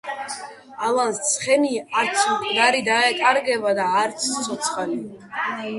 ალანს ცხენი არც მკვდარი დაეკარგება და არც ცოცხალიო